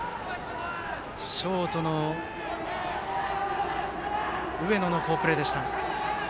ショートの上野の好プレーでした。